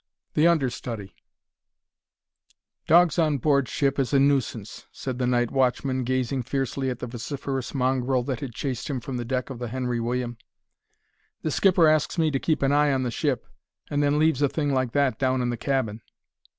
THE UNDERSTUDY Dogs on board ship is a nuisance," said the night watchman, gazing fiercely at the vociferous mongrel that had chased him from the deck of the Henry William; "the skipper asks me to keep an eye on the ship, and then leaves a thing like that down in the cabin."